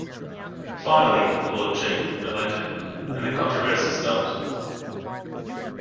Finally, Lord Cheng relented, and the controversy stopped.